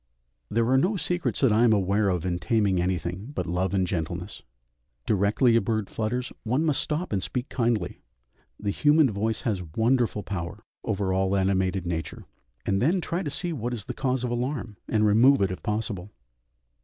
There are no secrets that I am aware of in taming anything, but love and gentleness. Directly a bird flutters, one must stop and speak kindly; the human voice has wonderful power over all animated nature, and then try to see what is the cause of alarm, and remove it if possible.